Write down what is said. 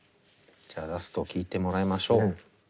じゃ「ダスト」聴いてもらいましょう。